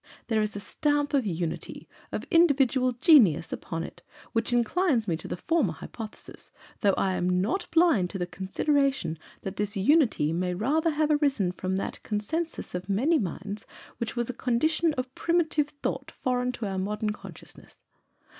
There is a stamp of unity, of individual genius upon it, which inclines me to the former hypothesis, though I am not blind to the consideration that this unity may rather have arisen from that consensus of many minds which was a condition of primitive thought foreign to our modern consciousness.